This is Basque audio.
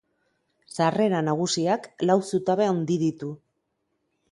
Sarrera nagusiak lau zutabe handi ditu.